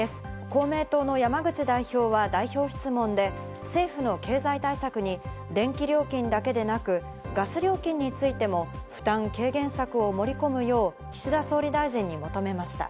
公明党の山口代表は代表質問で、政府の経済対策に電気料金だけでなく、ガス料金についても負担軽減策を盛り込むよう岸田総理大臣に求めました。